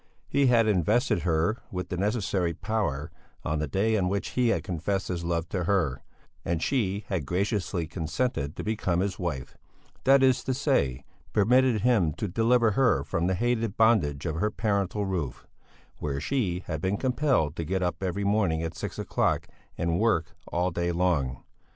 He had invested her with the necessary power on the day on which he had confessed his love to her, and she had graciously consented to become his wife, that is to say, permitted him to deliver her from the hated bondage of her parental roof, where she had been compelled to get up every morning at six o'clock and work all day long.